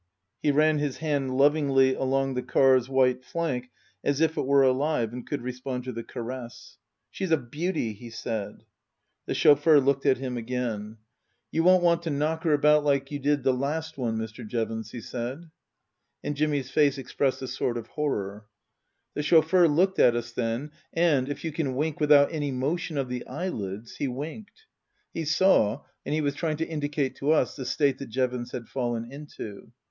He ran his hand lovingly along the car's white flank as if it were alive and could respond to the caress. " She's a beauty," he said. The chauffeur looked at him again. 15 226 Tasker Jevons " You won't want to knock her about like you did the last one, Mr. Jevons," he said. And Jimmy's face expressed a sort of horror. The chauffeur looked at us then, and, if you can wink without any motion of the eyelids, he winked. He saw, and he was trying to indicate to us, the state that Jevons had fallen into.